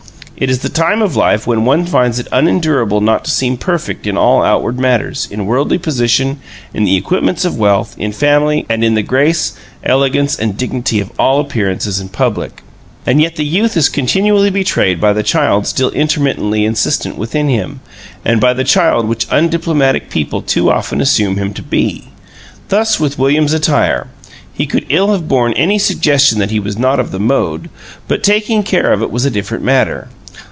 It is the time of life when one finds it unendurable not to seem perfect in all outward matters: in worldly position, in the equipments of wealth, in family, and in the grace, elegance, and dignity of all appearances in public. And yet the youth is continually betrayed by the child still intermittently insistent within him, and by the child which undiplomatic people too often assume him to be. Thus with William's attire: he could ill have borne any suggestion that it was not of the mode, but taking care of it was a different matter.